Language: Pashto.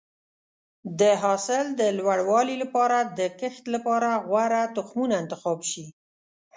د حاصل د لوړوالي لپاره د کښت لپاره غوره تخمونه انتخاب شي.